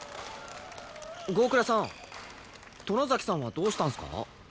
郷倉さん外崎さんはどうしたんすか？